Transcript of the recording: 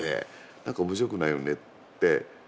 何か面白くないよねって。